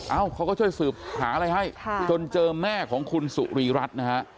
เขาก็ช่วยสืบหาอะไรให้จนเจอแม่ของคุณสุรีรัฐนะฮะ